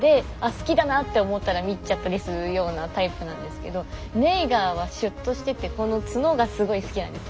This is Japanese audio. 好きだなって思ったら見ちゃったりするようなタイプなんですけどネイガーはシュッとしててこの角がすごい好きなんです。